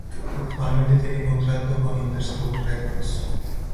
Actualmente tienen contrato con Interscope Records.